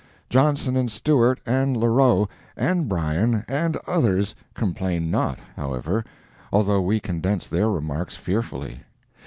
Johnson and Stewart, and Larrowe, and Bryan, and others, complain not, however, although we condense their remarks fearfully.